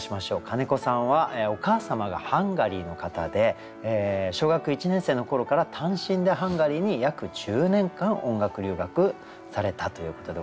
金子さんはお母様がハンガリーの方で小学１年生の頃から単身でハンガリーに約１０年間音楽留学されたということでございます。